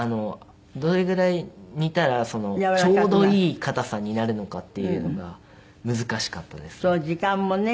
どれぐらい煮たらちょうどいい硬さになるのかっていうのが難しかったですね。